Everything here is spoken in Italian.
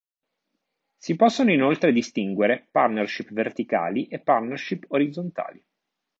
Si possono inoltre distinguere partnership verticali e partnership orizzontali.